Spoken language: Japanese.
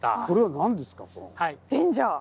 これは何ですか？